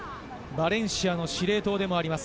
バレンシアの司令塔でもあります